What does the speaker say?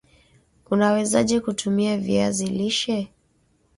UNawezaje kutumia viazi lishe